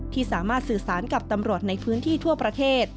ที่สามารถสื่อสารกับตำรวจในพื้นที่ทั่วประเทศ